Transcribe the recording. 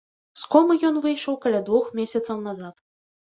З комы ён выйшаў каля двух месяцаў назад.